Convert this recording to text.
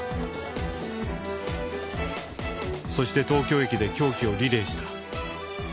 そして東京駅で凶器をリレーした。